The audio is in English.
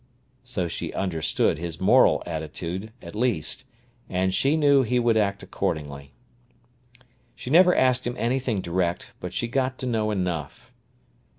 So she understood his moral attitude, at least, and she knew he would act accordingly. She never asked him anything direct, but she got to know enough.